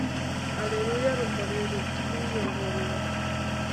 allelua, rumuri rutwiyoborera